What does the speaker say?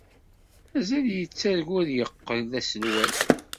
Mazal yettargu ad yeqqel d aselway?